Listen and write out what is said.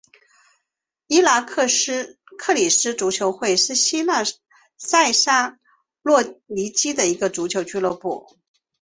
伊拿克里斯足球会是希腊塞萨洛尼基的一个足球俱乐部。